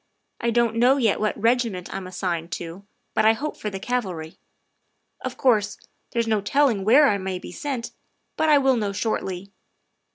I don't know yet what regiment I'm assigned to, but I hope for the cavalry. Of course, there's no telling where I may be sent, but I will know shortly.